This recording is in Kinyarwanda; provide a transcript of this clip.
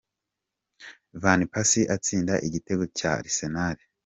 Van Persie atsinda igitego cya Arsenal.